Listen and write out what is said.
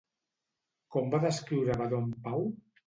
Com va descriure Vadó en Pau?